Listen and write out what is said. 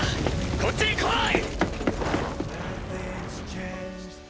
こっちに来い！